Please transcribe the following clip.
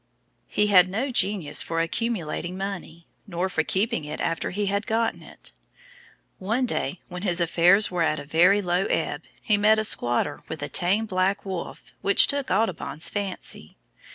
He had no genius for accumulating money nor for keeping it after he had gotten it. One day when his affairs were at a very low ebb, he met a squatter with a tame black wolf which took Audubon's fancy.